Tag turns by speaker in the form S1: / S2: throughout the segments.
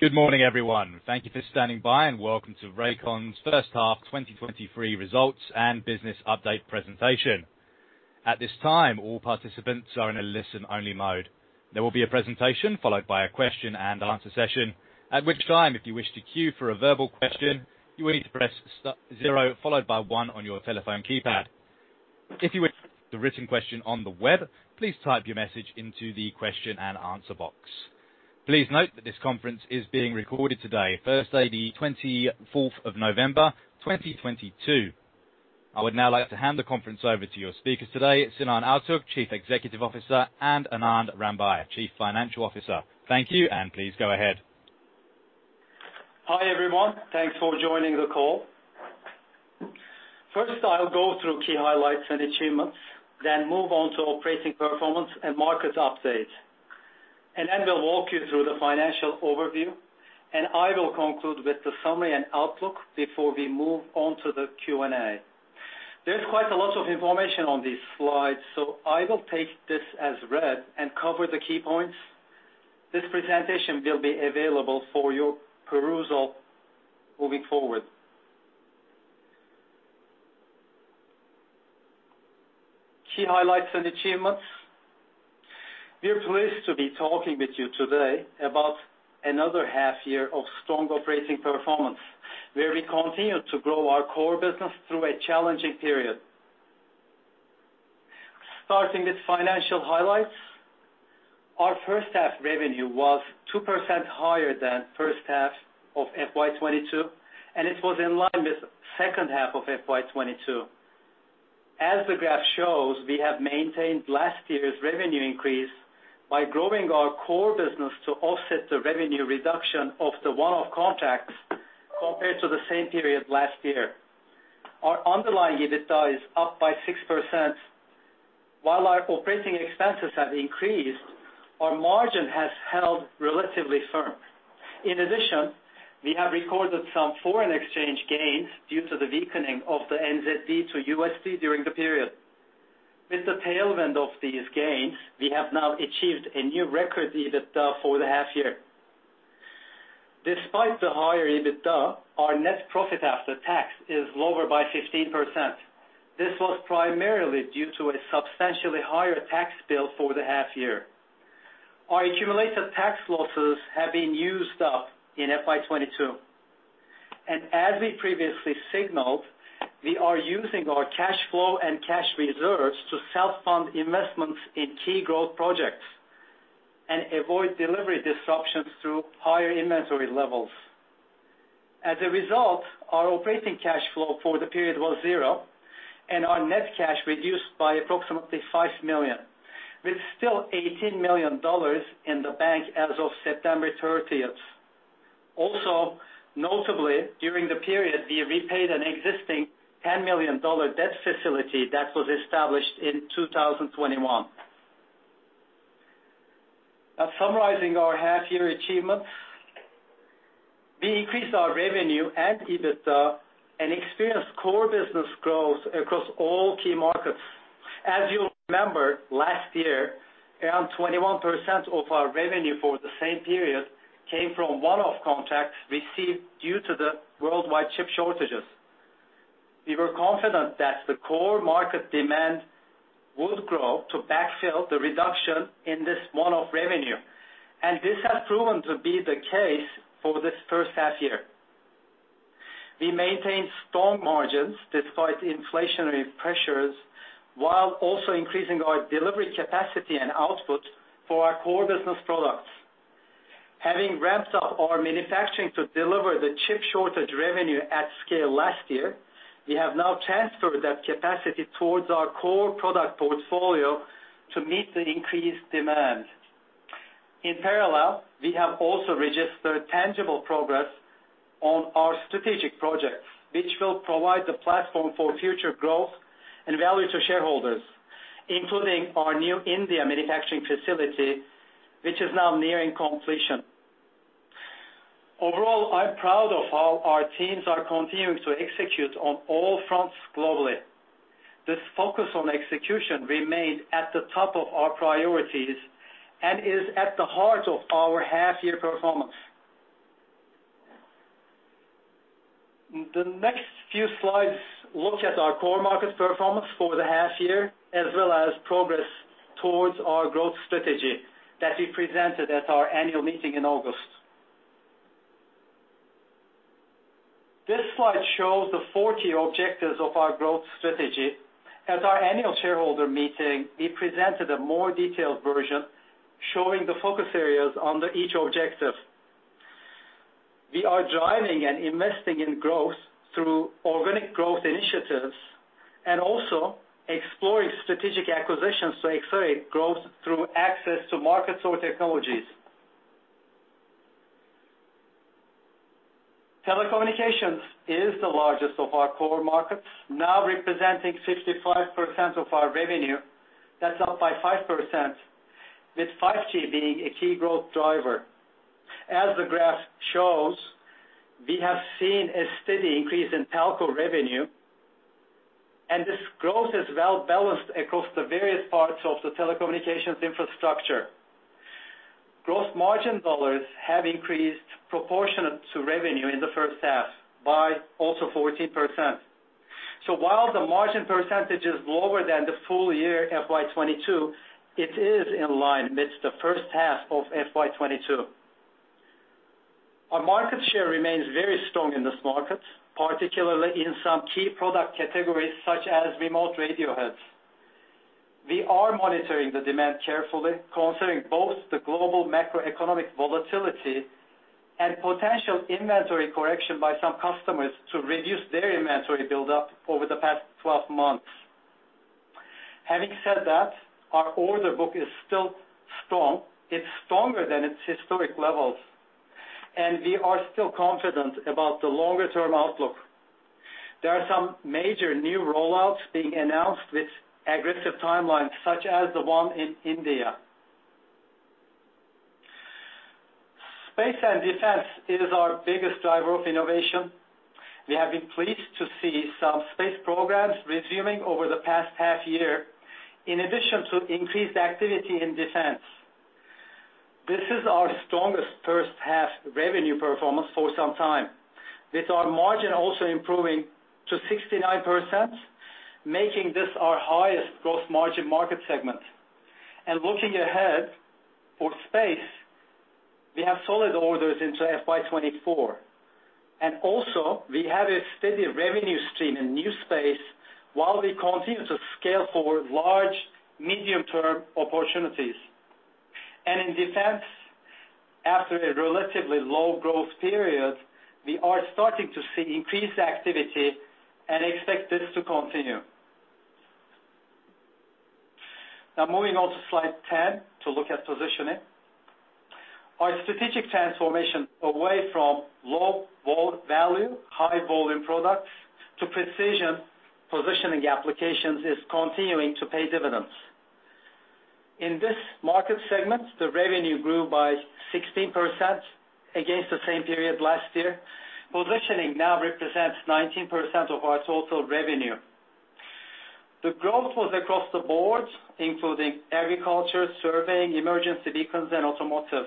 S1: Good morning, everyone. Thank you for standing by. Welcome to Rakon's first half 2023 results and business update presentation. At this time, all participants are in a listen-only mode. There will be a presentation followed by a question and answer session. At which time, if you wish to queue for a verbal question, you will need to press star zero followed by one on your telephone keypad. If you wish to submit a written question on the web, please type your message into the question and answer box. Please note that this conference is being recorded today, Thursday, November 24th, 2022. I would now like to hand the conference over to your speakers today, Sinan Altug, Chief Executive Officer, and Anand Rambhai, Chief Financial Officer. Thank you. Please go ahead.
S2: Hi, everyone. Thanks for joining the call. First, I'll go through key highlights and achievements, then move on to operating performance and market updates. Then we'll walk you through the financial overview, and I will conclude with the summary and outlook before we move on to the Q&A. There's quite a lot of information on these slides, so I will take this as read and cover the key points. This presentation will be available for your perusal moving forward. Key highlights and achievements. We are pleased to be talking with you today about another half year of strong operating performance, where we continued to grow our core business through a challenging period. Starting with financial highlights. Our first half revenue was 2% higher than first half of FY 2022, and it was in line with second half of FY 2022. As the graph shows, we have maintained last year's revenue increase by growing our core business to offset the revenue reduction of the one-off contracts compared to the same period last year. Our underlying EBITDA is up by 6%. While our operating expenses have increased, our margin has held relatively firm. In addition, we have recorded some foreign exchange gains due to the weakening of the NZD to USD during the period. With the tailwind of these gains, we have now achieved a new record EBITDA for the half year. Despite the higher EBITDA, our net profit after tax is lower by 15%. This was primarily due to a substantially higher tax bill for the half year. Our accumulated tax losses have been used up in FY 2022. As we previously signaled, we are using our cash flow and cash reserves to self-fund investments in key growth projects and avoid delivery disruptions through higher inventory levels. As a result, our operating cash flow for the period was zero, and our net cash reduced by approximately 5 million, with still 18 million dollars in the bank as of September 30th. Also, notably, during the period, we repaid an existing 10 million dollar debt facility that was established in 2021. Summarizing our half year achievements. We increased our revenue and EBITDA and experienced core business growth across all key markets. As you'll remember, last year, around 21% of our revenue for the same period came from one-off contracts received due to the worldwide chip shortages. We were confident that the core market demand would grow to backfill the reduction in this one-off revenue. This has proven to be the case for this first half year. We maintained strong margins despite inflationary pressures, while also increasing our delivery capacity and output for our core business products. Having ramped up our manufacturing to deliver the chip shortage revenue at scale last year, we have now transferred that capacity towards our core product portfolio to meet the increased demand. In parallel, we have also registered tangible progress on our strategic projects, which will provide the platform for future growth and value to shareholders, including our new India manufacturing facility, which is now nearing completion. Overall, I'm proud of how our teams are continuing to execute on all fronts globally. This focus on execution remains at the top of our priorities and is at the heart of our half-year performance. The next few slides look at our core market performance for the half year as well as progress towards our growth strategy that we presented at our annual meeting in August. This slide shows the four key objectives of our growth strategy. At our annual shareholder meeting, we presented a more detailed version showing the focus areas under each objective. We are driving and investing in growth through organic growth initiatives and also exploring strategic acquisitions to accelerate growth through access to markets or technologies. Telecommunications is the largest of our core markets, now representing 55% of our revenue. That's up by 5%, with 5G being a key growth driver. As the graph shows, we have seen a steady increase in telco revenue. This growth is well balanced across the various parts of the telecommunications infrastructure. Gross margin dollars have increased proportionate to revenue in the first half by also 14%. While the margin percentage is lower than the full year FY 2022, it is in line with the first half of FY 2022. Our market share remains very strong in this market, particularly in some key product categories such as remote radio heads. We are monitoring the demand carefully, considering both the global macroeconomic volatility and potential inventory correction by some customers to reduce their inventory build up over the past 12 months. Having said that, our order book is still strong. It's stronger than its historic levels, and we are still confident about the longer-term outlook. There are some major new rollouts being announced with aggressive timelines such as the one in India. Space and Defense is our biggest driver of innovation. We have been pleased to see some space programs resuming over the past half year in addition to increased activity in Defense. This is our strongest first half revenue performance for some time, with our margin also improving to 69%, making this our highest gross margin market segment. Looking ahead for Space, we have solid orders into FY 2024. Also we have a steady revenue stream in New Space while we continue to scale for large medium-term opportunities. In Defense, after a relatively low growth period, we are starting to see increased activity and expect this to continue. Moving on to slide 10 to look at positioning. Our strategic transformation away from low value, high volume products to precision positioning applications is continuing to pay dividends. In this market segment, the revenue grew by 16% against the same period last year. Positioning now represents 19% of our total revenue. The growth was across the board, including agriculture, surveying, emergency beacons, and automotive.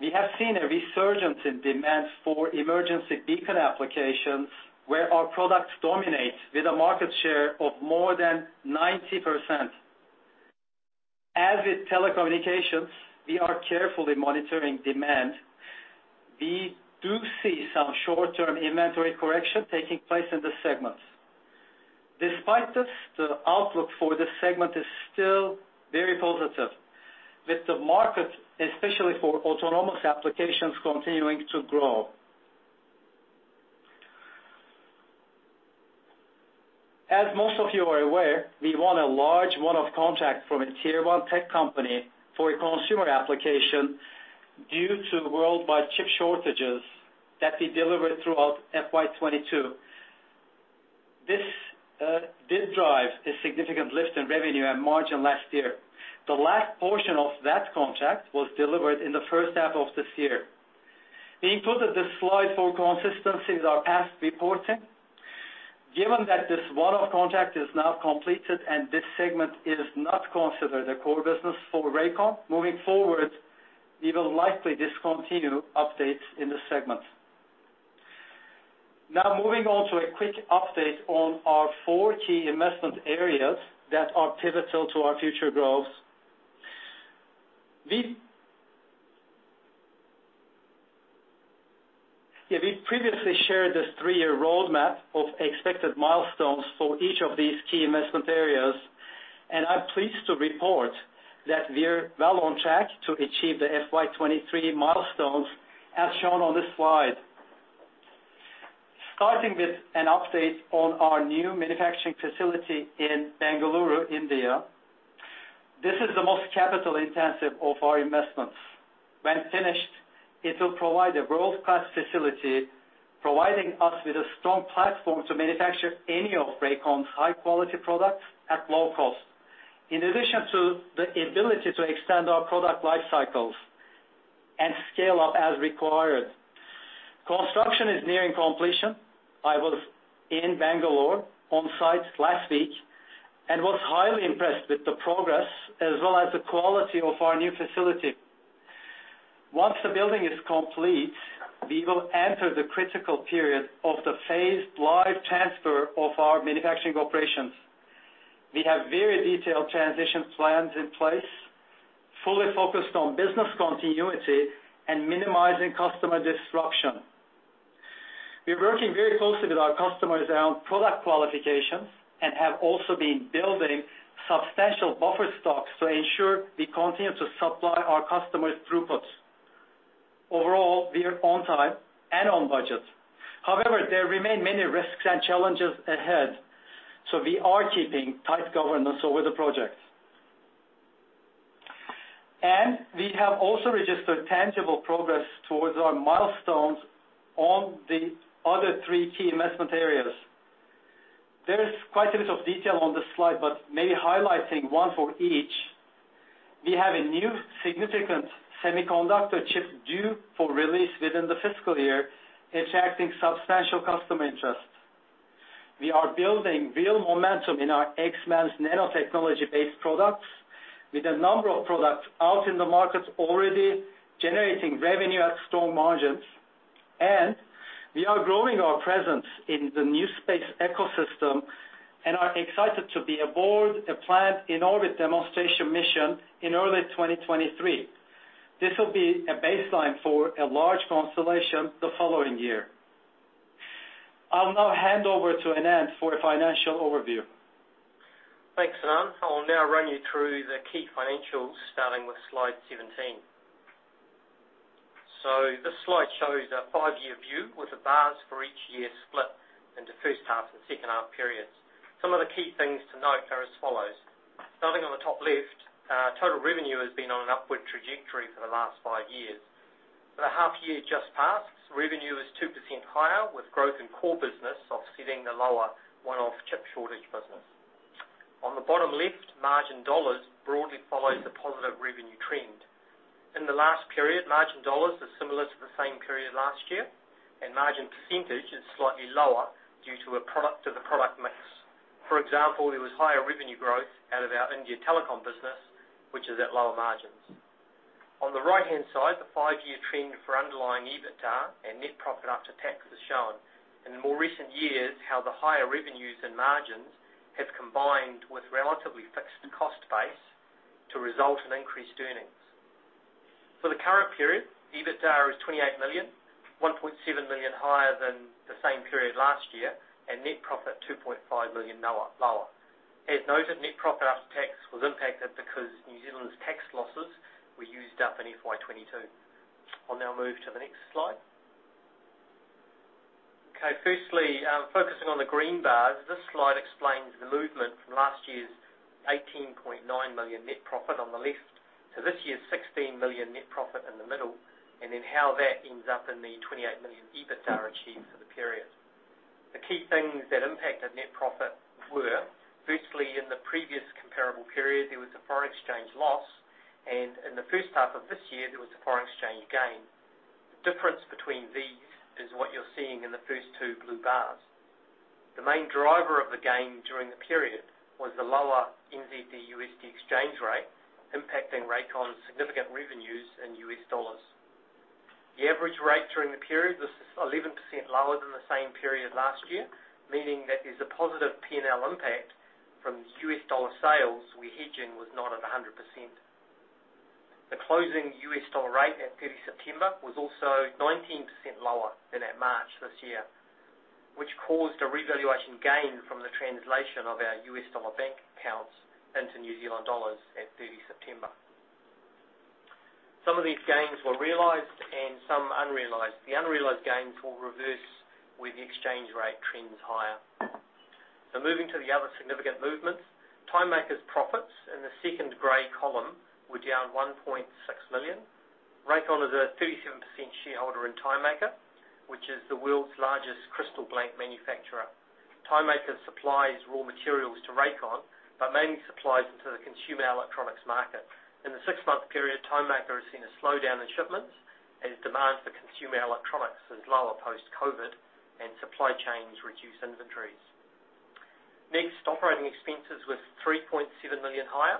S2: We have seen a resurgence in demand for emergency beacon applications where our products dominate with a market share of more than 90%. As with telecommunications, we are carefully monitoring demand. We do see some short-term inventory correction taking place in this segment. Despite this, the outlook for this segment is still very positive, with the market, especially for autonomous applications continuing to grow. As most of you are aware, we won a large one-off contract from a tier one tech company for a consumer application due to worldwide chip shortages that we delivered throughout FY 2022. This did drive a significant lift in revenue and margin last year. The last portion of that contract was delivered in the first half of this year. We included this slide for consistency with our past reporting. Given that this one-off contract is now completed and this segment is not considered a core business for Rakon, moving forward, we will likely discontinue updates in this segment. Moving on to a quick update on our four key investment areas that are pivotal to our future growth. Yeah, we previously shared this three-year roadmap of expected milestones for each of these key investment areas, and I'm pleased to report that we're well on track to achieve the FY 2023 milestones as shown on this slide. Starting with an update on our new manufacturing facility in Bengaluru, India. This is the most capital-intensive of our investments. When finished, it will provide a world-class facility providing us with a strong platform to manufacture any of Rakon's high-quality products at low cost. In addition to the ability to extend our product life cycles and scale up as required. Construction is nearing completion. I was in Bengaluru on site last week and was highly impressed with the progress as well as the quality of our new facility. Once the building is complete, we will enter the critical period of the phased live transfer of our manufacturing operations. We have very detailed transition plans in place, fully focused on business continuity and minimizing customer disruption. We're working very closely with our customers around product qualifications and have also been building substantial buffer stocks to ensure we continue to supply our customers' throughputs. Overall, we are on time and on budget. There remain many risks and challenges ahead, so we are keeping tight governance over the project. We have also registered tangible progress towards our milestones on the other three key investment areas. There is quite a bit of detail on this slide, but maybe highlighting one for each. We have a new significant semiconductor chip due for release within the fiscal year, attracting substantial customer interest. We are building real momentum in our XMEMS nanotechnology-based products with a number of products out in the market already generating revenue at strong margins. We are growing our presence in the New Space ecosystem and are excited to be aboard a planned in-orbit demonstration mission in early 2023. This will be a baseline for a large constellation the following year. I'll now hand over to Anand for a financial overview.
S3: Thanks, Sinan. I'll now run you through the key financials starting with slide 17. This slide shows a five-year view with the bars for each year split into first half and second half periods. Some of the key things to note are as follows. Starting on the top left, total revenue has been on an upward trajectory for the last five years, but the half year just passed, revenue is 2% higher, with growth in core business offsetting the lower one-off chip shortage business. On the bottom left, margin dollars broadly follows the positive revenue trend. In the last period, margin dollars are similar to the same period last year, and margin percentage is slightly lower due to the product mix. For example, there was higher revenue growth out of our India telecom business, which is at lower margins. On the right-hand side, the five-year trend for underlying EBITDA and net profit after tax is shown. In more recent years, how the higher revenues and margins have combined with relatively fixed cost base to result in increased earnings. For the current period, EBITDA is 28 million, 1.7 million higher than the same period last year, and net profit, 2.5 million lower. As noted, net profit after tax was impacted because New Zealand's tax losses were used up in FY 2022. I'll now move to the next slide. Okay. Firstly, focusing on the green bars, this slide explains the movement from last year's 18.9 million net profit on the left to this year's 16 million net profit in the middle, and then how that ends up in the 28 million EBITDA achieved for the period. The key things that impacted net profit were, firstly, in the previous comparable period, there was a foreign exchange loss, and in the first half of this year, there was a foreign exchange gain. The difference between these is what you're seeing in the first two blue bars. The main driver of the gain during the period was the lower NZD/USD exchange rate impacting Rakon's significant revenues in US dollars. The average rate during the period was 11% lower than the same period last year, meaning that there's a positive P&L impact from US dollar sales where hedging was not at a 100%. The closing US dollar rate at September 30 was also 19% lower than at March this year, which caused a revaluation gain from the translation of our US dollar bank accounts into New Zealand dollars at September 30. Some of these gains were realized and some unrealized. The unrealized gains will reverse where the exchange rate trends higher. Moving to the other significant movements. Timemaker's profits in the second gray column were down 1.6 million. Rakon is a 37% shareholder in Timemaker, which is the world's largest crystal blank manufacturer. Timemaker supplies raw materials to Rakon, but mainly supplies into the consumer electronics market. In the six-month period, Timemaker has seen a slowdown in shipments as demand for consumer electronics is lower post-COVID and supply chains reduce inventories. Next, operating expenses was 3.7 million higher.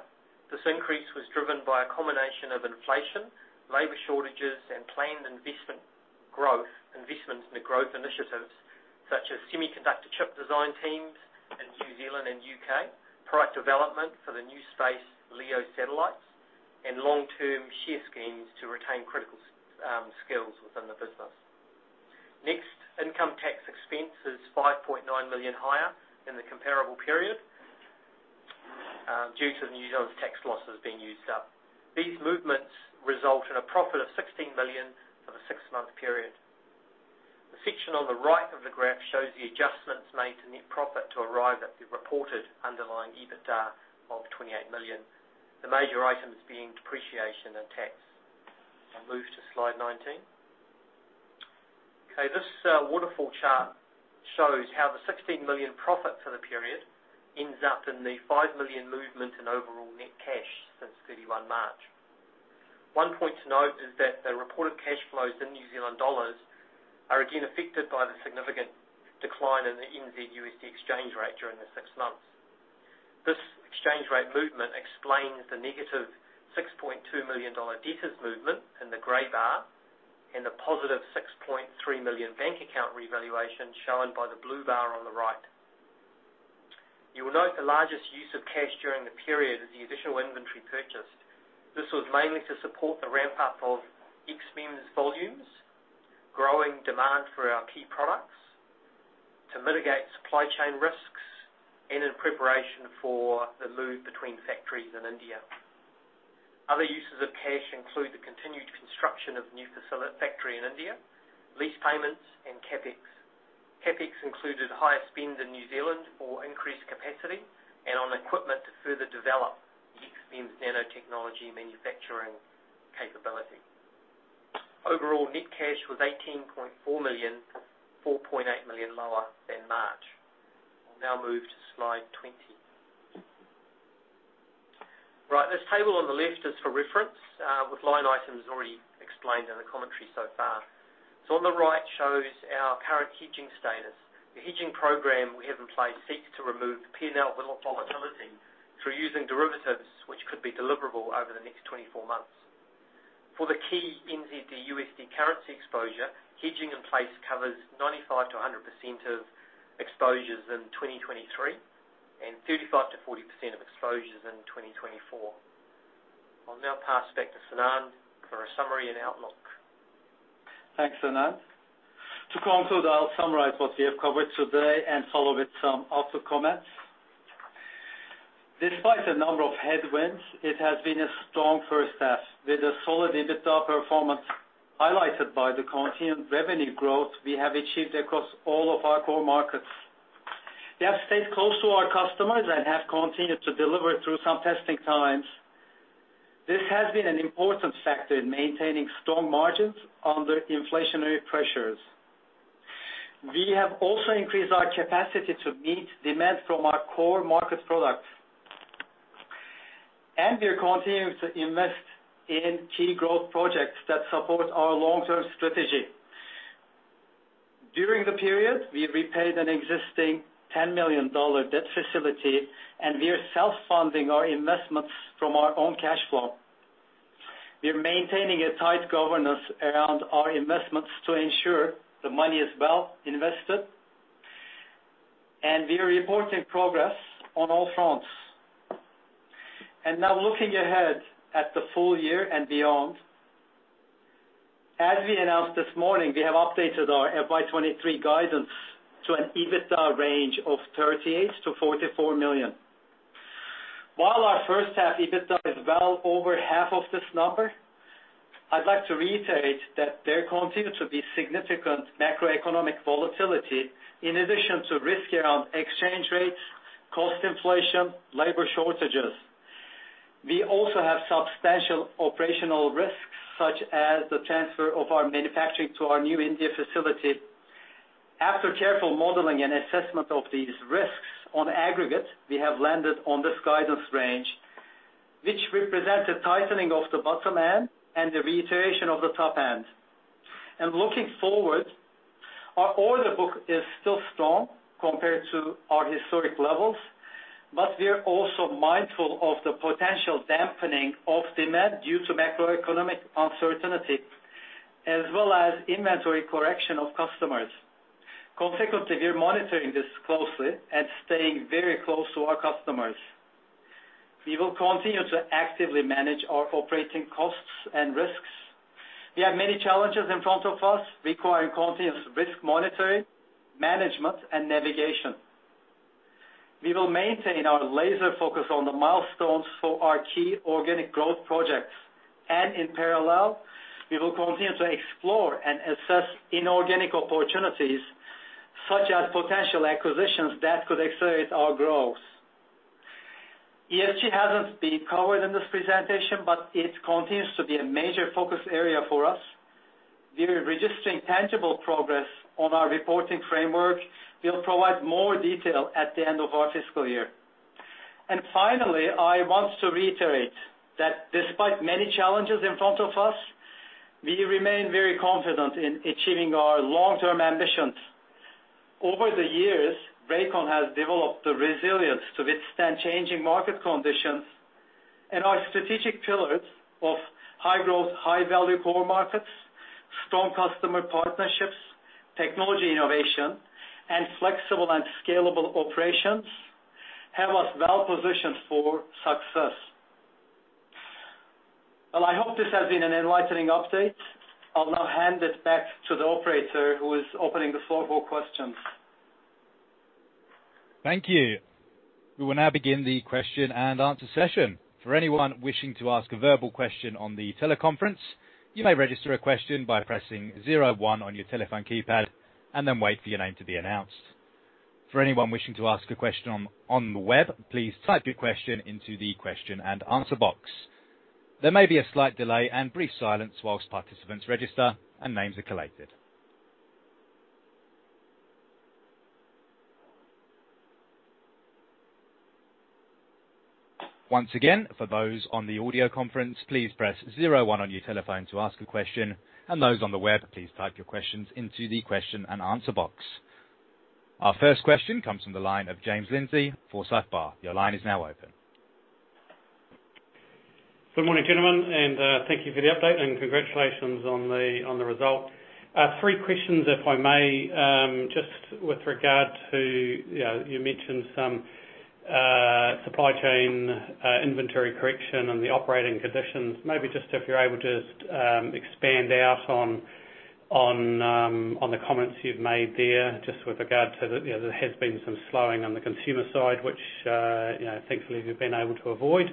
S3: This increase was driven by a combination of inflation, labor shortages, and planned investments in the growth initiatives such as semiconductor chip design teams in New Zealand and U.K., product development for the New Space LEO satellites, and long-term share schemes to retain critical skills within the business. Next, income tax expense is 5.9 million higher than the comparable period due to the New Zealand tax losses being used up. These movements result in a profit of 16 million for the six-month period. The section on the right of the graph shows the adjustments made to net profit to arrive at the reported underlying EBITDA of 28 million, the major items being depreciation and tax. I'll move to slide 19. This waterfall chart shows how the 16 million profit for the period ends up in the 5 million movement in overall net cash since March 31. One point to note is that the reported cash flows in New Zealand dollars are again affected by the significant decline in the NZD/USD exchange rate during the six months. This exchange rate movement explains the negative 6.2 million dollar debtors movement in the gray bar and a positive 6.3 million bank account revaluation shown by the blue bar on the right. You will note the largest use of cash during the period is the additional inventory purchase. This was mainly to support the ramp-up of XMEMS volumes, growing demand for our key products, to mitigate supply chain risks, and in preparation for the move between factories in India. Other uses of cash include the continued construction of new factory in India, lease payments, and CapEx. CapEx included higher spend in New Zealand for increased capacity and on equipment to further develop the XMEMS nanotechnology manufacturing. Overall net cash was 18.4 million, 4.8 million lower than March. We'll now move to slide 20. Right. This table on the left is for reference, with line items already explained in the commentary so far. On the right shows our current hedging status. The hedging program we have in place seeks to remove P&L volatility through using derivatives, which could be deliverable over the next 24 months. For the key NZD/USD currency exposure, hedging in place covers 95%-100% of exposures in 2023 and 35%-40% of exposures in 2024. I'll now pass back to Sinan for a summary and outlook.
S2: Thanks, Anand. To conclude, I'll summarize what we have covered today and follow with some other comments. Despite a number of headwinds, it has been a strong first half with a solid EBITDA performance highlighted by the continued revenue growth we have achieved across all of our core markets. We have stayed close to our customers and have continued to deliver through some testing times. This has been an important factor in maintaining strong margins under inflationary pressures. We have also increased our capacity to meet demand from our core market products. We are continuing to invest in key growth projects that support our long-term strategy. During the period, we repaid an existing 10 million dollar debt facility, and we are self-funding our investments from our own cash flow. We are maintaining a tight governance around our investments to ensure the money is well invested. We are reporting progress on all fronts. Now looking ahead at the full year and beyond. As we announced this morning, we have updated our FY 2023 guidance to an EBITDA range of 38 million-44 million. While our first half EBITDA is well over half of this number, I'd like to reiterate that there continue to be significant macroeconomic volatility in addition to risk around exchange rates, cost inflation, labor shortages. We also have substantial operational risks, such as the transfer of our manufacturing to our new India facility. After careful modeling and assessment of these risks on aggregate, we have landed on this guidance range, which represents a tightening of the bottom end and the reiteration of the top end. Looking forward, our order book is still strong compared to our historic levels, but we are also mindful of the potential dampening of demand due to macroeconomic uncertainty as well as inventory correction of customers. Consequently, we are monitoring this closely and staying very close to our customers. We will continue to actively manage our operating costs and risks. We have many challenges in front of us requiring continuous risk monitoring, management, and navigation. We will maintain our laser focus on the milestones for our key organic growth projects, and in parallel, we will continue to explore and assess inorganic opportunities such as potential acquisitions that could accelerate our growth. ESG hasn't been covered in this presentation, but it continues to be a major focus area for us. We're registering tangible progress on our reporting framework. We'll provide more detail at the end of our fiscal year. Finally, I want to reiterate that despite many challenges in front of us, we remain very confident in achieving our long-term ambitions. Over the years, Rakon has developed the resilience to withstand changing market conditions and our strategic pillars of high-growth, high-value core markets, strong customer partnerships, technology innovation, and flexible and scalable operations have us well positioned for success. I hope this has been an enlightening update. I'll now hand it back to the operator who is opening the floor for questions.
S1: Thank you. We will now begin the question and answer session. For anyone wishing to ask a verbal question on the teleconference, you may register a question by pressing zero one on your telephone keypad and then wait for your name to be announced. For anyone wishing to ask a question on the web, please type your question into the question and answer box. There may be a slight delay and brief silence while participants register and names are collected. Once again, for those on the audio conference, please press zero one on your telephone to ask a question, and those on the web, please type your questions into the question and answer box. Our first question comes from the line of James Lindsay, Forsyth Barr. Your line is now open.
S4: Good morning, gentlemen, and thank you for the update and congratulations on the result. Three questions, if I may. Just with regard to, you know, you mentioned some supply chain inventory correction and the operating conditions. Maybe just if you're able to expand out on the comments you've made there, just with regard to, you know, there has been some slowing on the consumer side, which, you know, thankfully you've been able to avoid.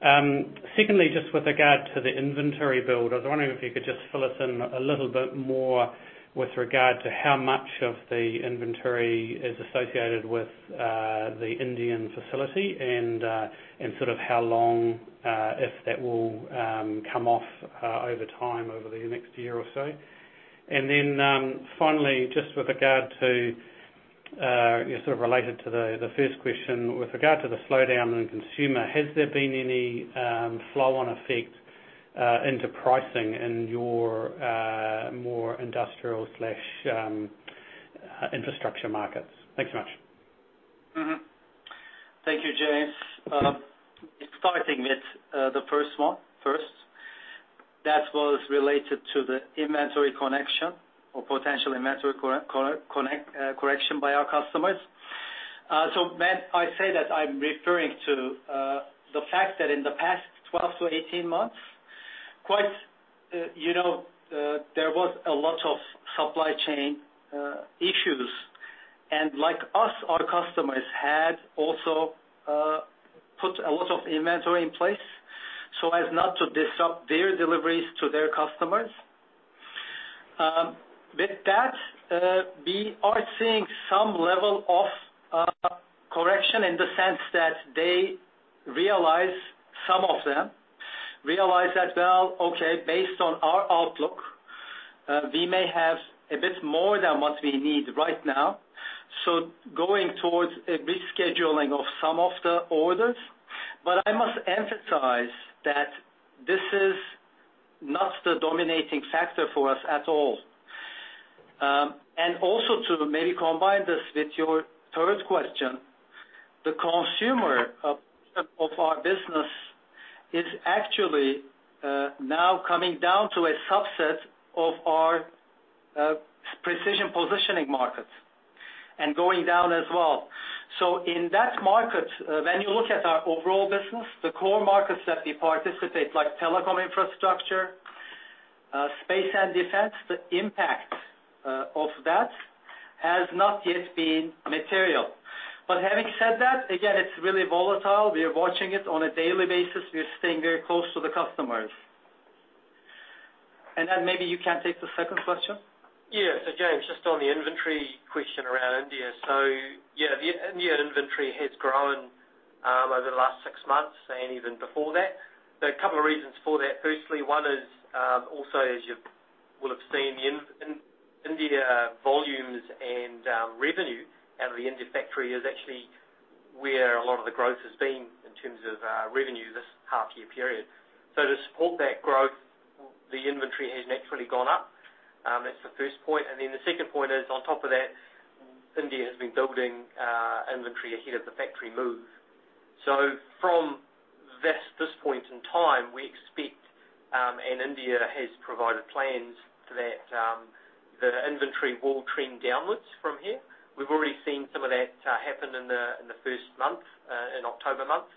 S4: Secondly, just with regard to the inventory build, I was wondering if you could just fill us in a little bit more with regard to how much of the inventory is associated with the Indian facility and sort of how long if that will come off over time, over the next year or so. Finally, just with regard to, yeah, sort of related to the first question. With regard to the slowdown in consumer, has there been any flow on effect into pricing in your more industrial slash infrastructure markets? Thanks so much.
S2: Thank you, James. Starting with the first one first. That was related to the inventory connection or potential inventory correction by our customers. When I say that, I'm referring to the fact that in the past 12 to 18 months, quite, you know, there was a lot of supply chain issues. Like us, our customers had also put a lot of inventory in place so as not to disrupt their deliveries to their customers. With that, we are seeing some level of correction in the sense that they realize, some of them realize that, "Well, okay, based on our outlook, we may have a bit more than what we need right now," so going towards a rescheduling of some of the orders. I must emphasize that this is not the dominating factor for us at all. Also to maybe combine this with your third question, the consumer of our business is actually now coming down to a subset of our precision positioning markets and going down as well. In that market, when you look at our overall business, the core markets that we participate, like telecom infrastructure, space and defense, the impact of that has not yet been material. Having said that, again, it's really volatile. We are watching it on a daily basis. We are staying very close to the customers. Anand, maybe you can take the second question.
S3: Yeah. James, just on the inventory question around India. Yeah, the India inventory has grown over the last six months and even before that. There are a couple of reasons for that. Firstly, one is, also as you will have seen, the India volumes and revenue out of the India factory is actually where a lot of the growth has been in terms of revenue this half-year period. To support that growth, the inventory has naturally gone up. That's the first point. The second point is on top of that, India has been building inventory ahead of the factory move. From this point in time, we expect, and India has provided plans that the inventory will trend downwards from here. We've already seen some of that happen in the first month, in October month.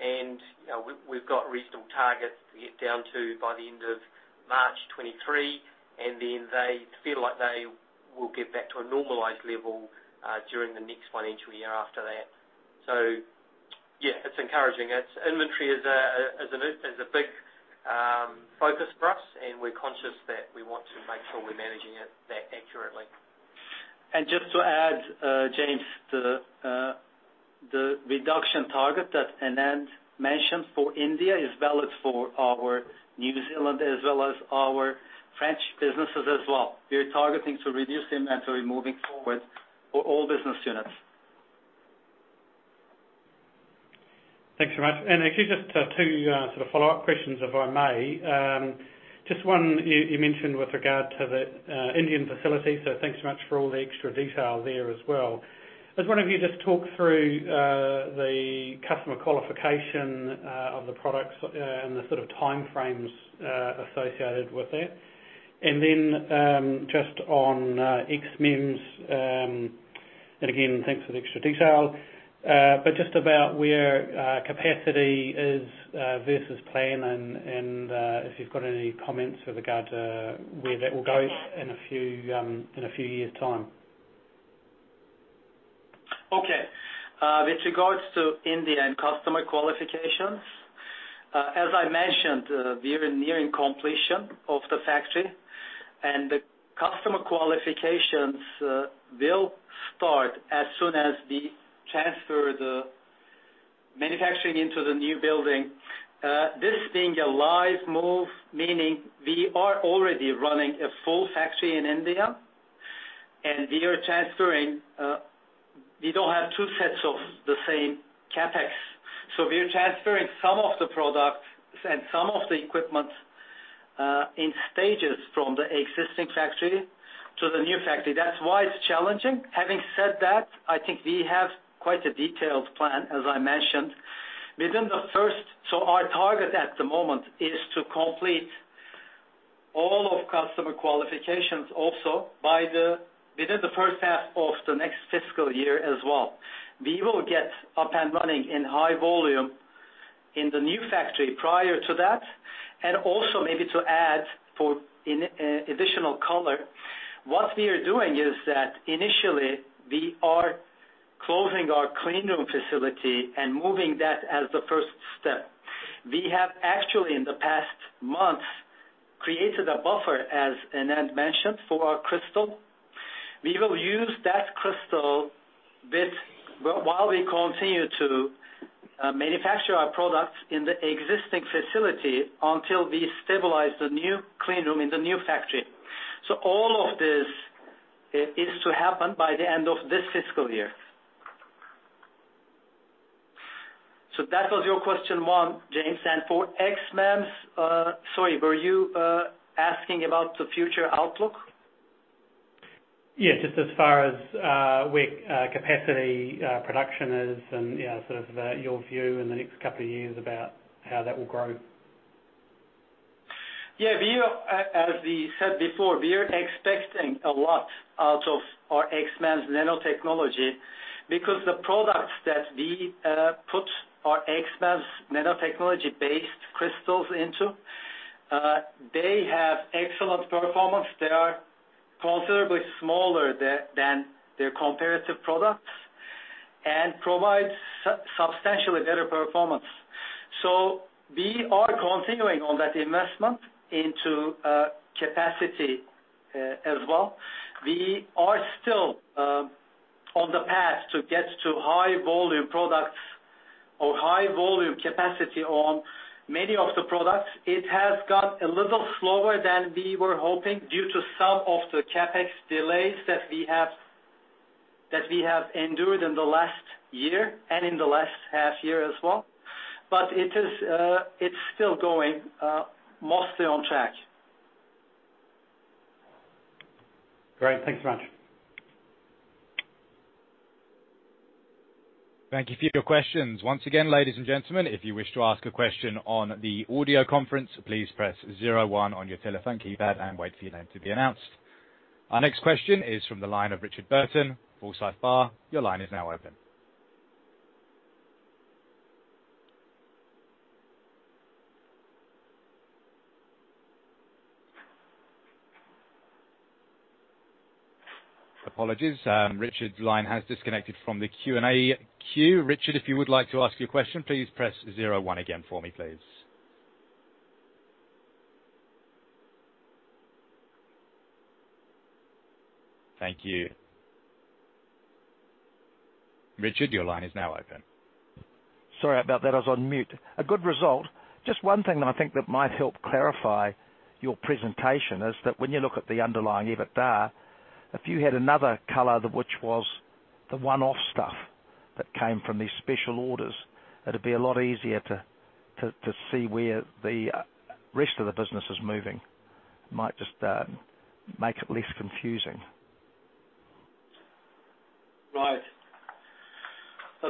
S3: You know, we've got reasonable targets to get down to by the end of March 2023, and then they feel like they will get back to a normalized level during the next financial year after that. Yeah, it's encouraging. Inventory is a big focus for us, and we're conscious that we want to make sure we're managing it that accurately.
S2: Just to add, James, to the reduction target that Anand mentioned for India is valid for our New Zealand as well as our French businesses as well. We're targeting to reduce inventory moving forward for all business units.
S4: Thanks so much. Actually, just two sort of follow-up questions, if I may. Just one, you mentioned with regard to the Indian facility, so thanks so much for all the extra detail there as well. Could one of you just talk through the customer qualification of the products and the sort of time frames associated with that? Then, just on XMEMS, and again, thanks for the extra detail. Just about where capacity is versus plan and if you've got any comments with regard to where that will go in a few years' time.
S2: Okay. With regards to India and customer qualifications, as I mentioned, we are nearing completion of the factory and the customer qualifications will start as soon as we transfer the manufacturing into the new building. This being a live move, meaning we are already running a full factory in India, and we are transferring. We don't have two sets of the same CapEx. We are transferring some of the products and some of the equipment in stages from the existing factory to the new factory. That's why it's challenging. Having said that, I think we have quite a detailed plan, as I mentioned. Our target at the moment is to complete all of customer qualifications also within the first half of the next fiscal year as well. We will get up and running in high volume in the new factory prior to that. Also maybe to add additional color, what we are doing is that initially we are closing our cleanroom facility and moving that as the first step. We have actually in the past months, created a buffer, as Anand mentioned, for our crystal. We will use that crystal while we continue to manufacture our products in the existing facility until we stabilize the new cleanroom in the new factory. All of this is to happen by the end of this fiscal year. That was your question one, James. For XMEMS, sorry, were you asking about the future outlook?
S4: Yes. Just as far as, where, capacity, production is and, yeah, sort of, your view in the next couple of years about how that will grow.
S2: As we said before, we are expecting a lot out of our XMEMS nanotechnology because the products that we put our XMEMS nanotechnology-based crystals into, they have excellent performance. They are considerably smaller than their comparative products and provide substantially better performance. We are continuing on that investment into capacity as well. We are still on the path to get to high volume products or high volume capacity on many of the products. It has got a little slower than we were hoping due to some of the CapEx delays that we have endured in the last year and in the last half year as well. It's still going mostly on track.
S4: Great. Thanks very much.
S1: Thank you for your questions. Once again, ladies and gentlemen, if you wish to ask a question on the audio conference, please press zero one on your telephone keypad and wait for your name to be announced. Our next question is from the line of Richard Burton, Forsyth Barr. Your line is now open. Apologies, Richard's line has disconnected from the Q&A queue. Richard, if you would like to ask your question, please press zero one again for me, please. Thank you. Richard, your line is now open.
S5: Sorry about that. I was on mute. A good result. Just one thing that I think that might help clarify your presentation is that when you look at the underlying EBITDA, if you had another color, which was the one-off stuff that came from these special orders, it'd be a lot easier to see where the rest of the business is moving. Might just make it less confusing.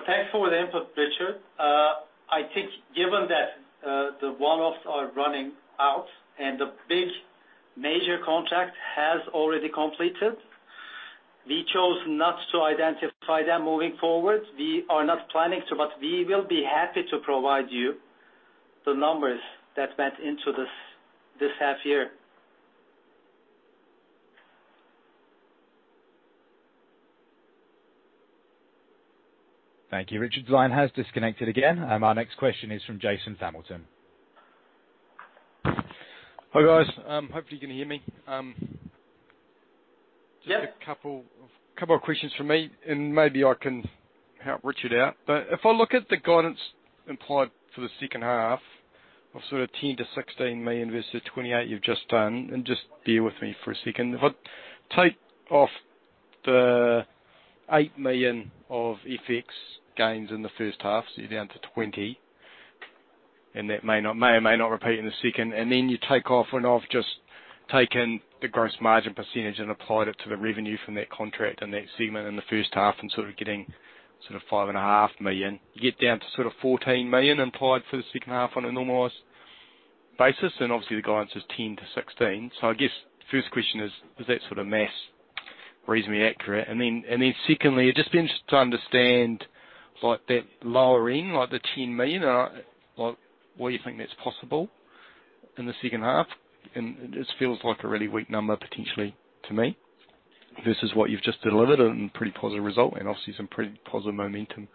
S2: Thanks for the input, Richard. I think given that the one-offs are running out and the big major contract has already completed, we chose not to identify them moving forward. We are not planning to, but we will be happy to provide you the numbers that went into this half year.
S1: Thank you. Richard's line has disconnected again. Our next question is from Jason Hamilton.
S6: Hi, guys. Hopefully you can hear me.
S2: Yeah.
S6: Just a couple of questions from me, and maybe I can help Richard out. If I look at the guidance implied for the second half of sort of 10 million-16 million versus the 28 million you've just done, and just bear with me for a second. If I take off the 8 million of FX gains in the first half, so you're down to 20 million, and that may or may not repeat in the second. Then you take off, and I've just taken the gross margin percentage and applied it to the revenue from that contract and that segment in the first half and sort of getting sort of 5.5 million. You get down to sort of 14 million implied for the second half on a normalized basis, and obviously the guidance is 10 million-16 million. I guess first question is that sort of math reasonably accurate? Secondly, just be interested to understand like that lowering, like the 10 million, like why you think that's possible in the second half. It just feels like a really weak number potentially to me versus what you've just delivered and pretty positive result and obviously some pretty positive momentum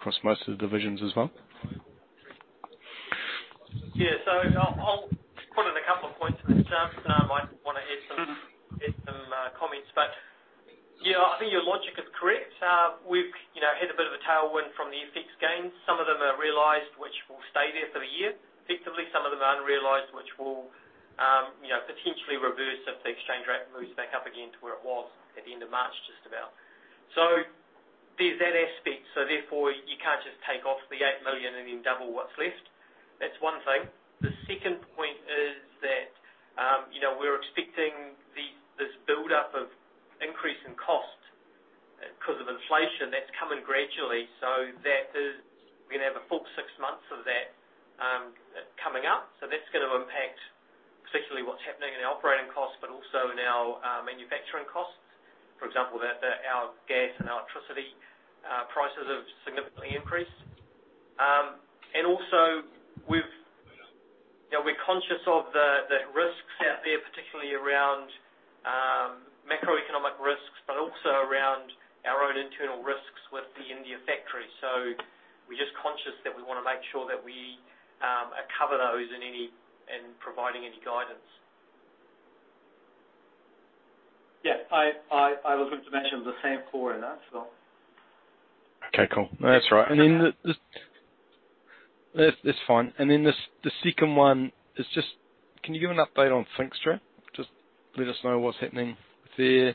S6: across most of the divisions as well.
S2: Yeah. I'll put in a couple of points to this, Jason, and I might wanna add some comments. Yeah, I think your logic is correct. We've, you know, had a bit of a tailwind from the FX gains. Some of them are realized, which will stay there for the year, effectively. Some of them are unrealized, which will, you know, potentially reverse if the exchange rate moves back up again to where it was at the end of March, just about. There's that aspect. Therefore, you can't just take off the 8 million and then double what's left. That's one thing. The second point is that, you know, we're expecting this buildup of increase in cost because of inflation that's coming gradually. That is, we're gonna have a full six months of that coming up. That's gonna impact particularly what's happening in our operating costs, but also in our manufacturing costs. For example, our gas and electricity prices have significantly increased. Also, we've, you know, we're conscious of the risks out there, particularly around macroeconomic risks, but also around our own internal risks with the India factory. We're just conscious that we wanna make sure that we cover those in any, in providing any guidance.
S3: Yeah, I was going to mention the same core in that.
S6: Okay, cool. That's right. That's fine. The second one is just, can you give an update on Thinxtra? Just let us know what's happening there. I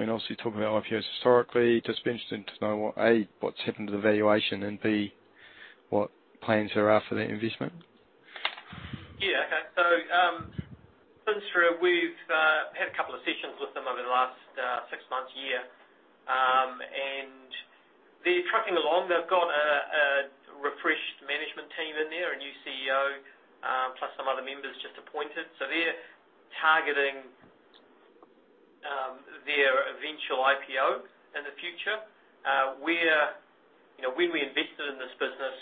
S6: mean, obviously you talked about IPOs historically. Just be interesting to know what, A, what's happened to the valuation, and B, what plans there are for that investment.
S2: Thinxtra, we've had a couple of sessions with them over the last six months, year. They're trucking along. They've got a refreshed management team in there, a new CEO, plus some other members just appointed. They're targeting their eventual IPO in the future. You know, when we invested in this business,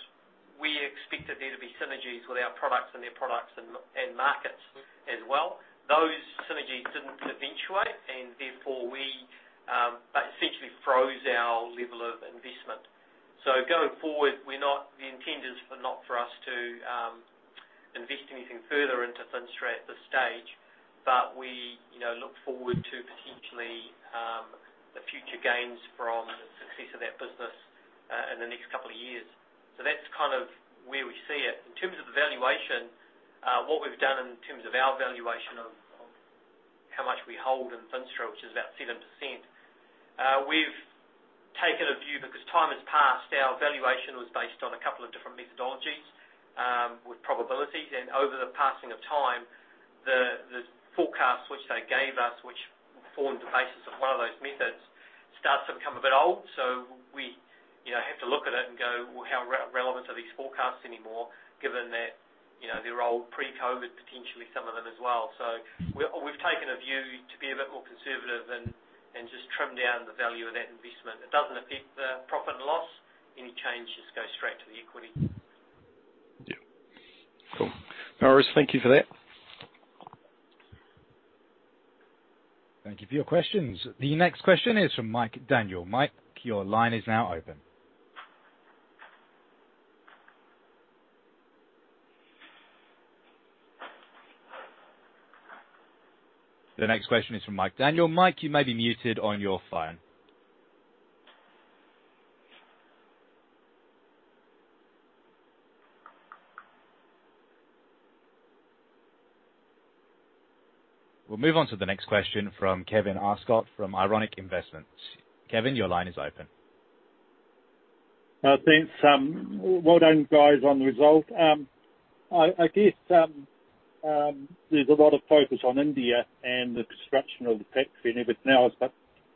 S2: we expected there to be synergies with our products and their products and markets as well. Those synergies didn't eventuate, and therefore we essentially froze our level of investment. Going forward, the intent is for not for us to invest anything further into Thinxtra at this stage, but we, you know, look forward to potentially the future gains from success of that business in the next two years. That's kind of where we see it. In terms of the valuation, what we've done in terms of our valuation of how much we hold in Thinxtra, which is about 7%, we've taken a view because time has passed. Our valuation was based on a couple of different methodologies, with probabilities. And over the passing of time, the forecast which they gave us, which formed the basis of one of those methods, starts to become a bit old. So we, you know, have to look at it and go, "Well, how relevant are these forecasts anymore given that, you know, they're old pre-COVID, potentially some of them as well?" So we've taken a view to be a bit more conservative and just trim down the value of that investment. It doesn't affect the profit and loss. Any change just goes straight to the equity.
S6: Yeah. Cool. All right. Thank you for that.
S1: Thank you for your questions. The next question is from Mike Daniel. Mike, your line is now open. The next question is from Mike Daniel. Mike, you may be muted on your phone. We'll move on to the next question from Kevin Ascott from Ironic Investments. Kevin, your line is open.
S7: Thanks, well done, guys, on the result. I guess there's a lot of focus on India and the construction of the factory and everything else, but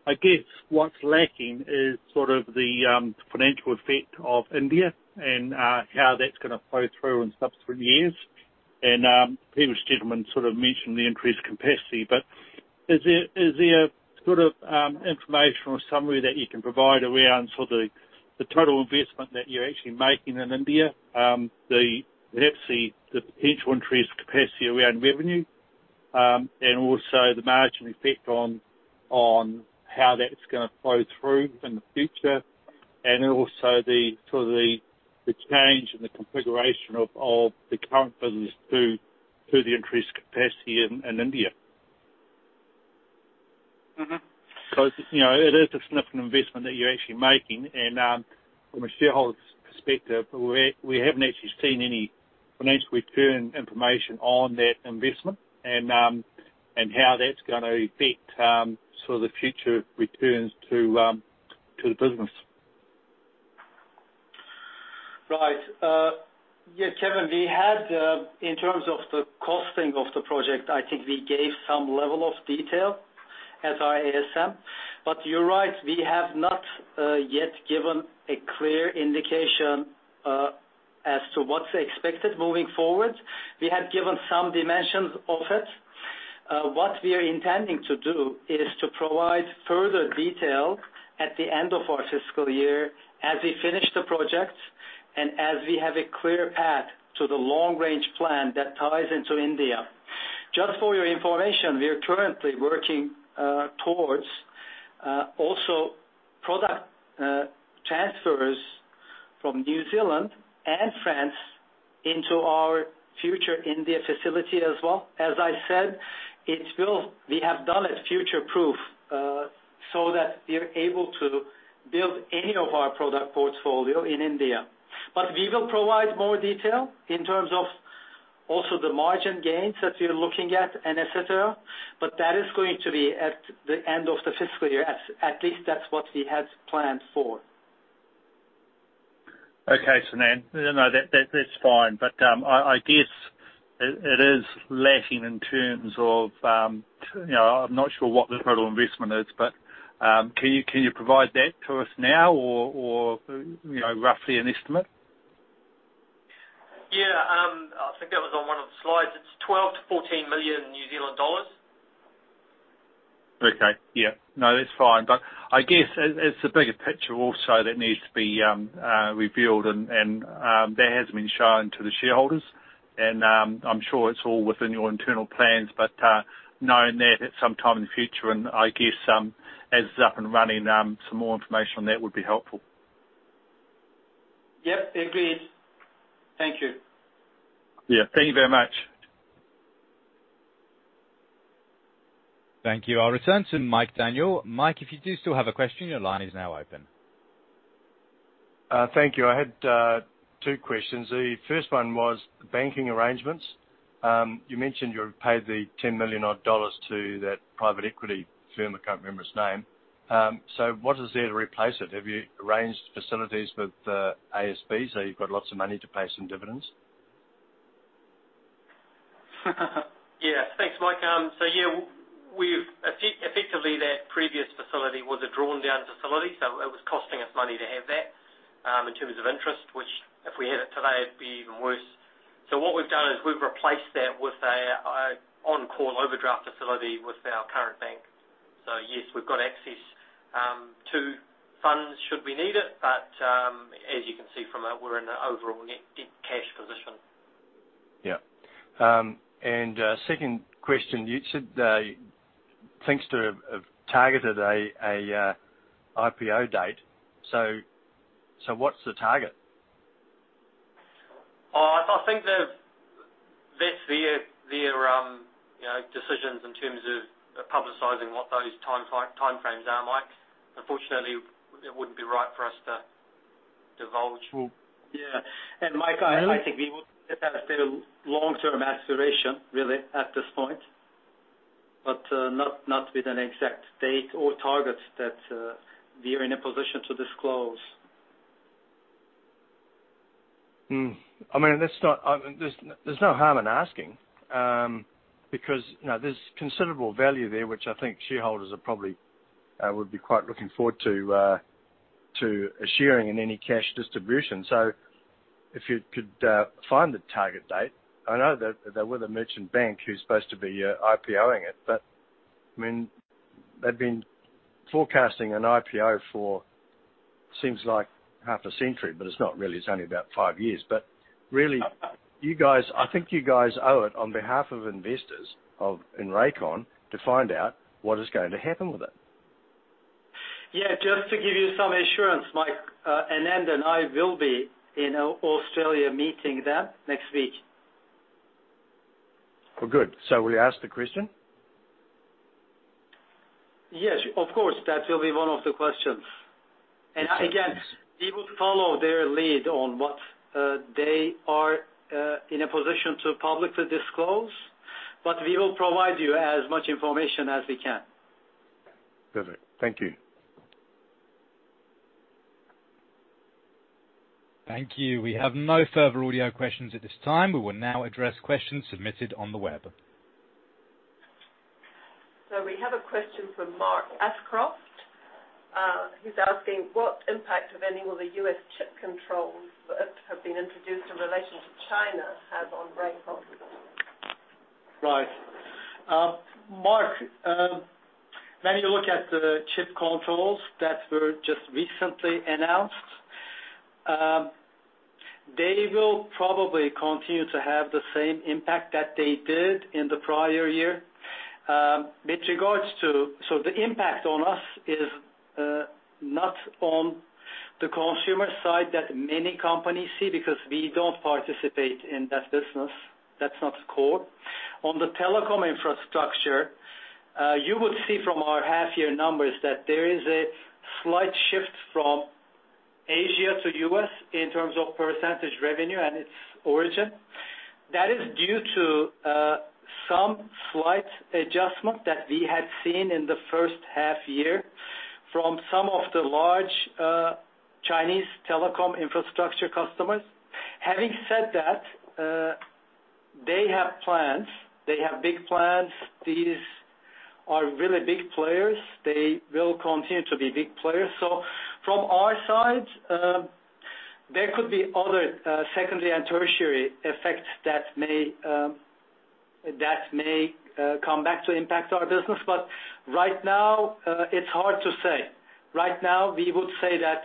S7: I guess what's lacking is sort of the financial effect of India and how that's gonna flow through in subsequent years. The previous gentleman sort of mentioned the increased capacity, but is there sort of information or summary that you can provide around sort of the total investment that you're actually making in India, the perhaps the potential increased capacity around revenue, and also the margin effect on how that's gonna flow through in the future, and also the sort of the change in the configuration of the current business through the increased capacity in India? Mm-hmm. You know, it is a significant investment that you're actually making, and, from a shareholder's perspective, we haven't actually seen any financial return information on that investment and how that's gonna affect sort of the future returns to the business.
S2: Yeah, Kevin, we had, in terms of the costing of the project, I think we gave some level of detail at our ASM. You're right, we have not yet given a clear indication as to what's expected moving forward. We have given some dimensions of it. What we are intending to do is to provide further detail at the end of our fiscal year as we finish the project and as we have a clear path to the long-range plan that ties into India. Just for your information, we are currently working towards also product transfers from New Zealand and France into our future India facility as well. As I said, we have done it future-proof so that we're able to build any of our product portfolio in India. We will provide more detail in terms of also the margin gains that we're looking at and et cetera, but that is going to be at the end of the fiscal year. At least that's what we had planned for.
S7: Okay. Sinan. No, that's fine. I guess it is lacking in terms of, you know, I'm not sure what the total investment is, can you provide that to us now or, you know, roughly an estimate?
S2: I think that was on one of the slides. It's 12 million-14 million New Zealand dollars.
S7: Okay. Yeah. No, that's fine. I guess it's the bigger picture also that needs to be revealed and that hasn't been shown to the shareholders. I'm sure it's all within your internal plans, but knowing that at some time in the future and I guess, as it's up and running, some more information on that would be helpful.
S2: Yep, agreed. Thank you.
S7: Yeah, thank you very much.
S1: Thank you. I'll return to Mike Daniel. Mike, if you do still have a question, your line is now open.
S8: Thank you. I had two questions. The first one was banking arrangements. You mentioned you paid the 10 million dollars odd to that private equity firm. I can't remember its name. What is there to replace it? Have you arranged facilities with ASB, so you've got lots of money to pay some dividends?
S2: Yeah. Thanks, Mike. Yeah, We've effectively that previous facility was a drawn down facility, so it was costing us money to have that, in terms of interest, which if we had it today, it'd be even worse. What we've done is we've replaced that with a on-call overdraft facility with our current bank. Yes, we've got access to funds should we need it. As you can see from that, we're in a overall net cash position.
S8: Yeah. Second question. You said that Thinxtra have targeted a IPO date. What's the target?
S2: I think that that's their, you know, decisions in terms of publicizing what those timeframes are, Mike. Unfortunately, it wouldn't be right for us to divulge.
S8: Mm-hmm.
S2: Yeah. Mike, I think we would look at that as being a long-term aspiration really at this point, not with an exact date or targets that we're in a position to disclose.
S8: I mean, there's no harm in asking, because, you know, there's considerable value there, which I think shareholders are probably would be quite looking forward to sharing in any cash distribution. If you could find the target date. I know that there were the merchant bank who's supposed to be IPOing it, but I mean, they've been forecasting an IPO for seems like half a century, but it's not really. It's only about five years. Really, you guys, I think you guys owe it on behalf of investors of, in Rakon to find out what is going to happen with it.
S2: Just to give you some assurance, Mike, Anand and I will be in Australia meeting them next week.
S8: Well, good. Will you ask the question?
S2: Yes, of course. That will be one of the questions. Again, we would follow their lead on what they are in a position to publicly disclose, but we will provide you as much information as we can.
S8: Perfect. Thank you.
S1: Thank you. We have no further audio questions at this time. We will now address questions submitted on the web.
S9: We have a question from Mark Ashcroft. He's asking, what impact, if any, will the U.S. chip controls that have been introduced in relation to China have on Rakon?
S2: Right. Mark, when you look at the chip controls that were just recently announced, they will probably continue to have the same impact that they did in the prior year. With regards to. The impact on us is not on the consumer side that many companies see because we don't participate in that business. That's not core. On the telecom infrastructure, you would see from our half year numbers that there is a slight shift from Asia to U.S. in terms of percentage revenue and its origin. That is due to some slight adjustment that we had seen in the first half year from some of the large Chinese telecom infrastructure customers. Having said that, they have plans. They have big plans. These are really big players. They will continue to be big players. From our side, there could be other secondary and tertiary effects that may come back to impact our business. Right now, it's hard to say. Right now, we would say that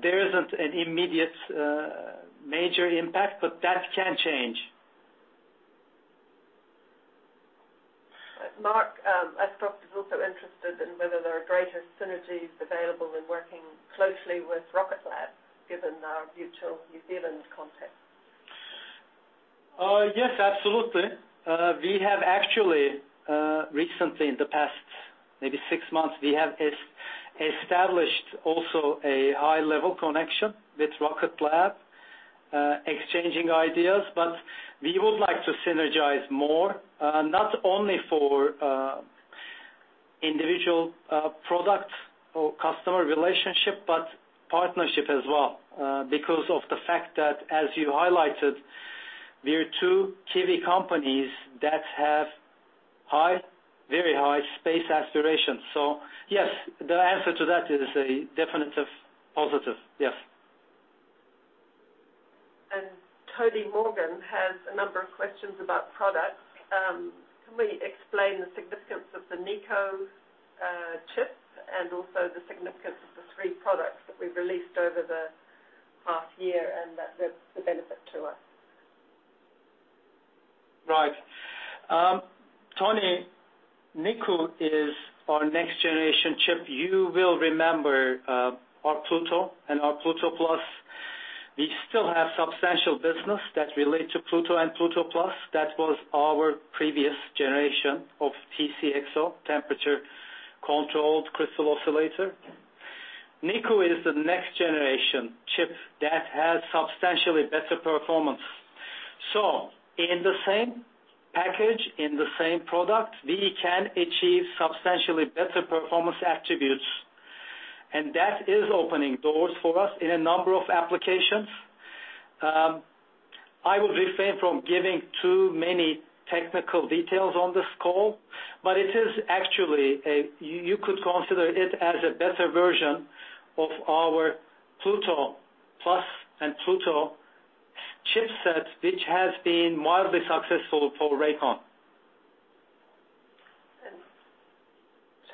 S2: there isn't an immediate major impact, but that can change.
S9: Mark Ashcroft is also interested in whether there are greater synergies available in working closely with Rocket Lab, given our mutual New Zealand context.
S2: Yes, absolutely. We have actually recently in the past maybe six months, we have established also a high-level connection with Rocket Lab, exchanging ideas. We would like to synergize more, not only for individual product or customer relationship, but partnership as well, because of the fact that as you highlighted, we are two Kiwi companies that have very high space aspirations. Yes, the answer to that is a definitive positive, yes.
S1: Tony Morgan has a number of questions about products. Can we explain the significance of the Niku chips and also the significance of the three products that we've released over the half year and the benefit to us?
S2: Niku is our next generation chip. You will remember, our Pluto and our Pluto+. We still have substantial business that relate to Pluto and Pluto+. That was our previous generation of TCXO, Temperature-Controlled Crystal Oscillator. Niku is the next generation chip that has substantially better performance. In the same package, in the same product, we can achieve substantially better performance attributes, and that is opening doors for us in a number of applications. I will refrain from giving too many technical details on this call, but it is actually You could consider it as a better version of our Pluto+ and Pluto chipsets, which has been wildly successful for Rakon.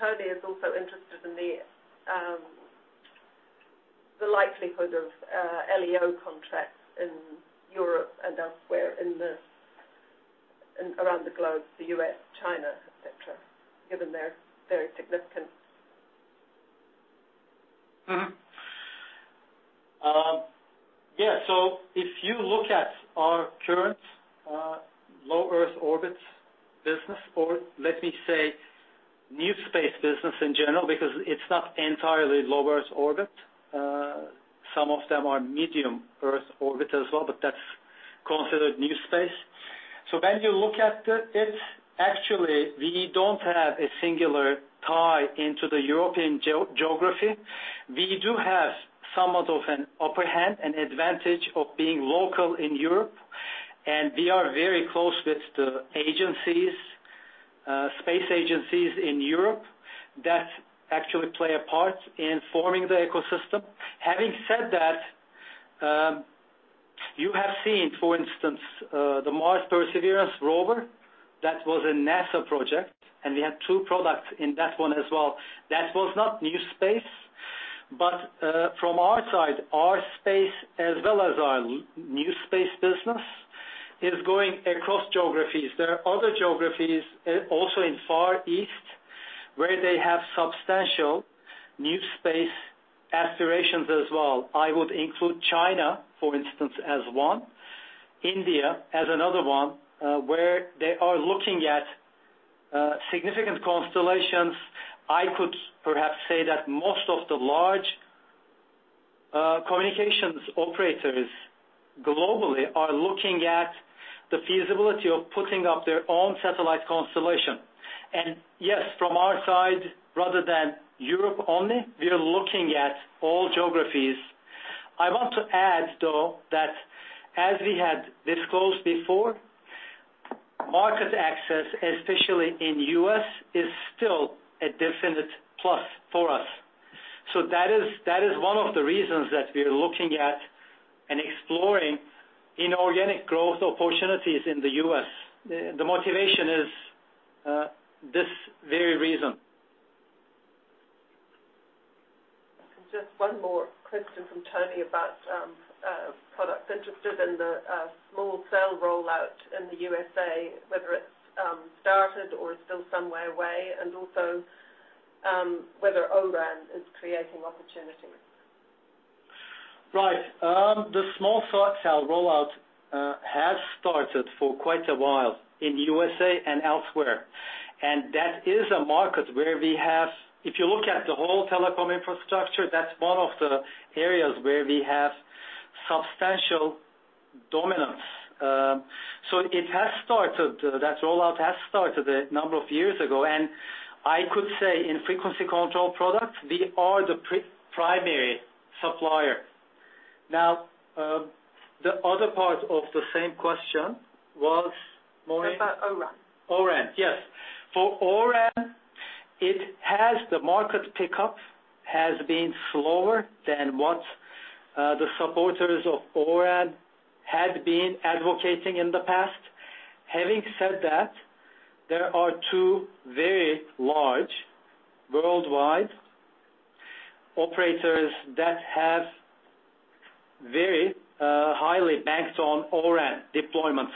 S9: Tony is also interested in the likelihood of LEO contracts in Europe and elsewhere in around the globe, the U.S., China, et cetera, given their very significant.
S2: Yeah. If you look at our current Low Earth Orbit business, or let me say New Space business in general, because it's not entirely Low Earth Orbit, some of them are Medium Earth Orbit as well, but that's considered New Space. When you look at it, actually, we don't have a singular tie into the European geography. We do have somewhat of an upper hand, an advantage of being local in Europe, and we are very close with the agencies, space agencies in Europe that actually play a part in forming the ecosystem. Having said that, you have seen, for instance, the Mars Perseverance rover. That was a NASA project, and we had two products in that one as well. That was not New Space, but from our side, our space as well as our New Space business is going across geographies. There are other geographies also in Far East where they have substantial New Space aspirations as well. I would include China, for instance, as one, India as another one, where they are looking at significant constellations. I could perhaps say that most of the large communications operators globally are looking at the feasibility of putting up their own satellite constellation. Yes, from our side, rather than Europe only, we are looking at all geographies. I want to add, though, that as we had disclosed before, market access, especially in the U.S., is still a definite plus for us. That is one of the reasons that we are looking at and exploring inorganic growth opportunities in the U.S. The motivation is this very reason.
S9: Just one more question from Tony about products. Interested in the small cell rollout in the USA, whether it's started or is still somewhere away, also whether O-RAN is creating opportunities.
S2: Right. The small cell rollout has started for quite a while in USA and elsewhere. That is a market where we have... If you look at the whole telecom infrastructure, that's one of the areas where we have substantial dominance. It has started. That rollout has started a number of years ago. I could say in frequency control products, we are the primary supplier. Now, the other part of the same question was, Maureen?
S9: It's about O-RAN.
S2: O-RAN, yes. For O-RAN, it has, the market pickup has been slower than what the supporters of O-RAN had been advocating in the past. Having said that, there are two very large worldwide operators that have very highly banked on O-RAN deployments.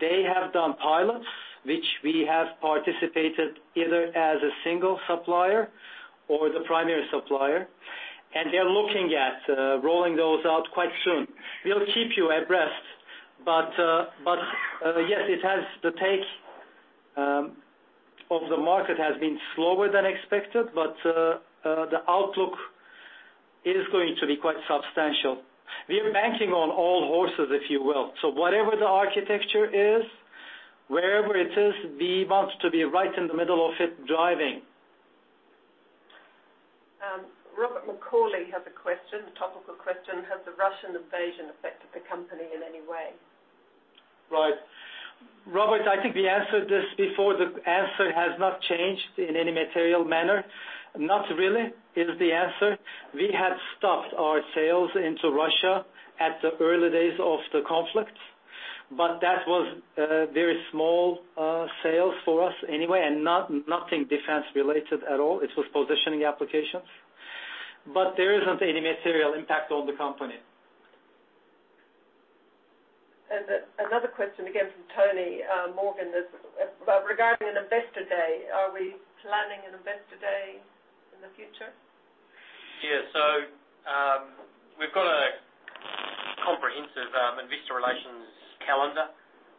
S2: They have done pilots, which we have participated either as a single supplier or the primary supplier, and they're looking at rolling those out quite soon. We'll keep you abreast. Yes, it has the take of the market has been slower than expected, but the outlook is going to be quite substantial. We're banking on all horses, if you will. Whatever the architecture is, wherever it is, we want to be right in the middle of it driving.
S9: Robert Macauley has a question, a topical question. Has the Russian invasion affected the company in any way?
S2: Robert, I think we answered this before. The answer has not changed in any material manner. Not really is the answer. We had stopped our sales into Russia at the early days of the conflict, but that was very small sales for us anyway, and not, nothing defense related at all. It was positioning applications. There isn't any material impact on the company.
S9: Another question again from Tony Morgan is regarding an investor day. Are we planning an investor day in the future?
S3: We've got a comprehensive investor relations calendar,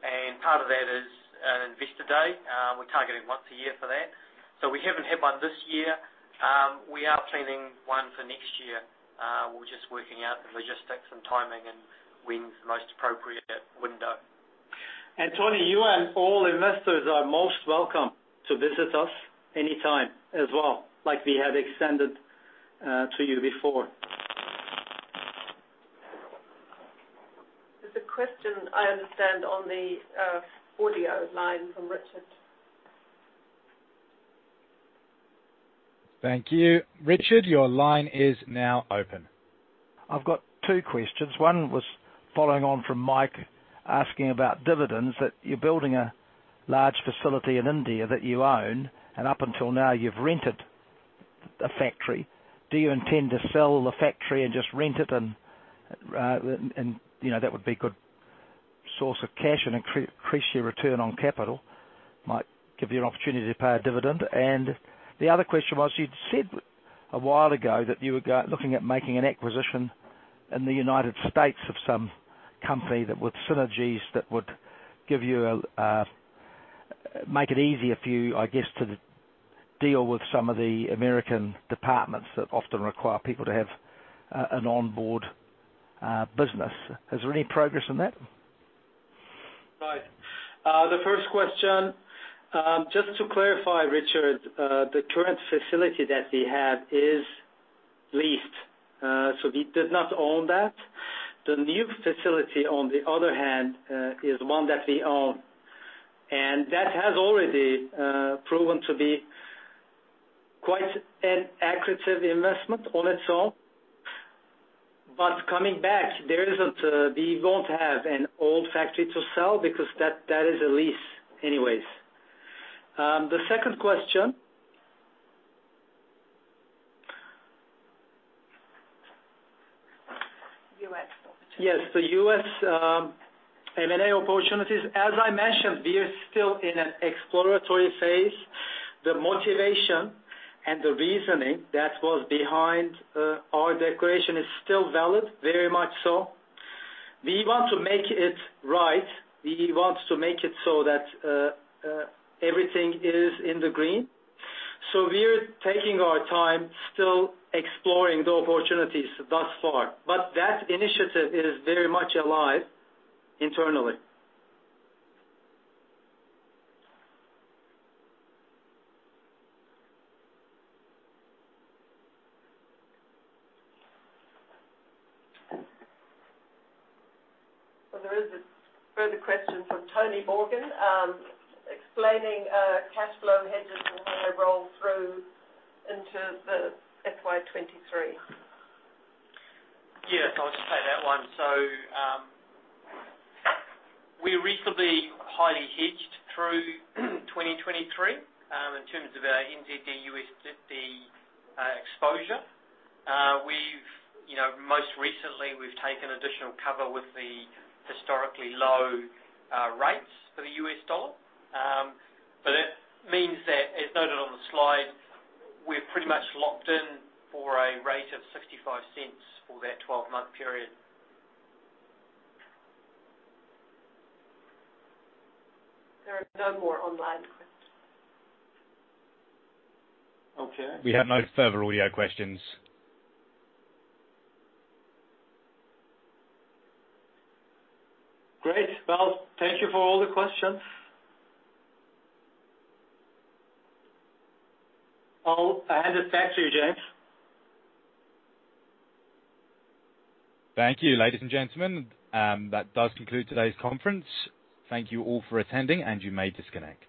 S3: and part of that is an investor day. We target it once a year for that. We haven't had one this year. We are planning one for next year. We're just working out the logistics and timing and when is the most appropriate window.
S2: Tony Morgan, you and all investors are most welcome to visit us anytime as well, like we have extended to you before.
S9: There's a question I understand on the audio line from Richard.
S1: Thank you. Richard, your line is now open.
S5: I've got two questions. One was following on from Mike asking about dividends, that you're building a large facility in India that you own, and up until now, you've rented a factory. Do you intend to sell the factory and just rent it and, you know, that would be good source of cash and increase your return on capital, might give you an opportunity to pay a dividend? The other question was, you'd said a while ago that you were looking at making an acquisition in the United States of some company that with synergies that would give you a, make it easier for you, I guess, to deal with some of the American departments that often require people to have, an onboard, business. Is there any progress in that?
S2: The first question, just to clarify, Richard, the current facility that we have is leased. We did not own that. The new facility, on the other hand, is one that we own. That has already proven to be quite an accretive investment on its own. Coming back, there isn't, we won't have an old factory to sell because that is a lease anyways. The second question.
S9: U.S.
S2: Yes, the U.S., M&A opportunities. As I mentioned, we are still in an exploratory phase. The motivation and the reasoning that was behind our declaration is still valid, very much so. We want to make it right. We want to make it so that everything is in the green. We're taking our time, still exploring the opportunities thus far. That initiative is very much alive internally.
S9: There is a further question from Tony Morgan, explaining cash flow hedges and how they roll through into the FY 2023.
S3: Yes, I'll just take that one. We're reasonably highly hedged through 2023, in terms of our NZD/USD, exposure. We've, you know, most recently, we've taken additional cover with the historically low, rates for the US dollar. It means that, as noted on the slide, we're pretty much locked in for a rate of $0.65 for that 12-month period.
S9: There are no more online questions.
S2: Okay.
S1: We have no further audio questions.
S2: Great. Well, thank you for all the questions. I'll hand it back to you, James.
S1: Thank you, ladies and gentlemen. That does conclude today's conference. Thank you all for attending. You may disconnect.